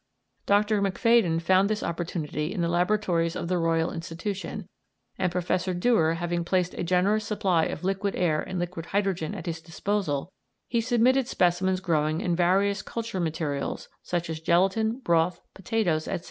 Dr. Macfadyen found this opportunity in the laboratories of the Royal Institution, and, Professor Dewar having placed a generous supply of liquid air and liquid hydrogen at his disposal, he submitted specimens growing in various culture materials, such as gelatin, broth, potatoes, etc.